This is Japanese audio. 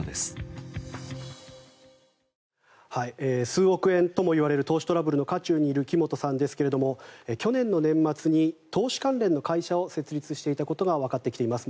数億円ともいわれる投資トラブルの渦中にいる木本さんですけれど去年の年末に投資関連の会社を設立したことがわかってきています。